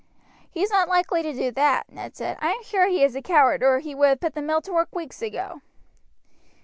"He's not likely to do that," Ned said. "I am sure he is a coward or he would have put the mill to work weeks ago."